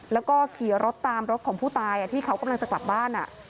แล้วก็ขี่รถตามรถของผู้ตายที่เขากำลังจะกลับบ้าน